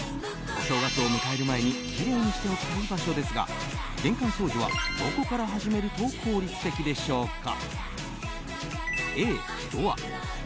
お正月を迎える前にきれいにしておきたい場所ですが玄関掃除は、どこから始めると効率的でしょうか？